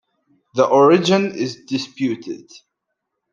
The origin is disputed.